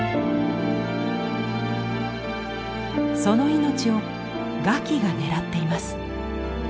その命を餓鬼が狙っています。